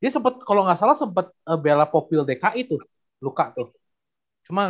dia sempet kalau gak salah sempet bela popil dki tuh luka tuh